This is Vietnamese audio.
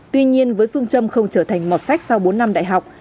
tuy nhiên với phương châm không trở thành mọt phách sau bốn năm đại học